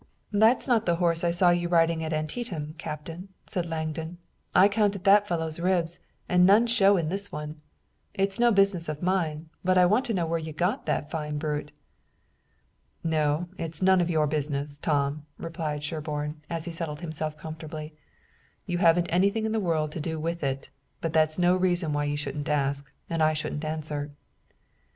"That's not the horse I saw you riding at Antietam, Captain," said Langdon. "I counted that fellow's ribs, and none show in this one. It's no business of mine, but I want to know where you got that fine brute." "No, it's none of your business, Tom," replied Sherburne, as he settled himself comfortably, "you haven't anything in the world to do with it, but that's no reason why you shouldn't ask and I shouldn't answer."